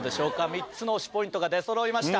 ３つの推しポイントが出そろいました